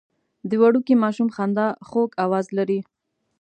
د وړوکي ماشوم خندا خوږ اواز لري.